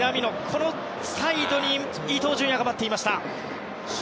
そして、サイドに伊東純也が待っていました。